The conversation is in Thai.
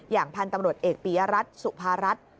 พันธุ์ตำรวจเอกปียรัฐสุภารัฐ